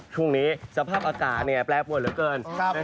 ช่วงนี้สภาพอากาศแปรปวดเหลือเกิน